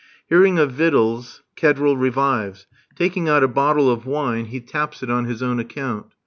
Hearing of victuals, Kedril revives. Taking out a bottle of wine, he taps it on his own account.